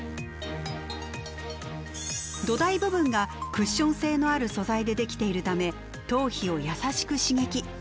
土台部分がクッション性のある素材で出来ているため頭皮を優しく刺激。